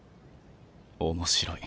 面白い。